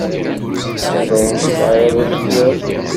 D ayen tesɛiḍ i teswiḍ.